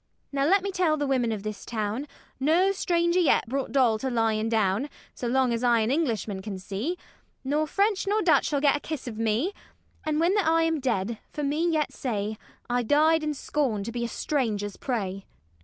Now let me tell the women of this town, No stranger yet brought Doll to lying down: So long as I an Englishman can see, Nor French nor Dutch shall get a kiss of me; And when that I am dead, for me yet say, I died in scorn to be a stranger's prey.